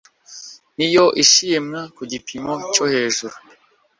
niyo ishimwa ku gipimo cyo hejuru